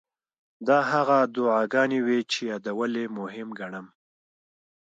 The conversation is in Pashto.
دا هغه دعاګانې وې چې یادول یې مهم ګڼم.